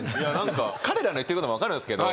彼らの言ってることも分かるんですけど